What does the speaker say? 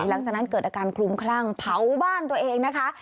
หลังจากนั้นเกิดอาการคลุมคลั่งเผาบ้านตัวเองนะคะ